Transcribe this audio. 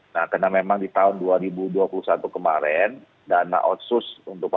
nah karena memang di tahun dua ribu dua puluh satu kemarin dana otsus